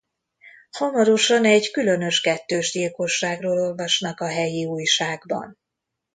Hamarosan egy különös kettős gyilkosságról olvasnak a helyi újságban.